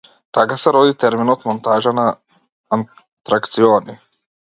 Така се роди терминот монтажа на атракциони.